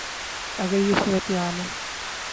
اگر یہ صورتحال ہے۔